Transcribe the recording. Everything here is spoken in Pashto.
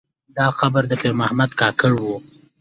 دا قبر د پیر محمد کاکړ و.